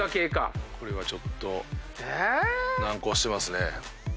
これはちょっと難航してますね。